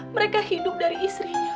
mereka hidup dari istrinya